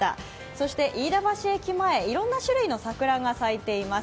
そして、飯田橋駅前いろんな種類の桜が咲いています。